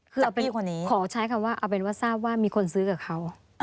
คือขอใช้คำว่าเอาเป็นว่าทราบว่ามีคนซื้อกับเขา